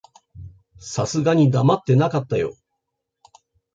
さすがに黙ってなかったよ。